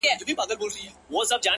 سم وارخطا ـ